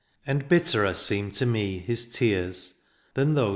And bitterer seemed to me his tears jr r «rr.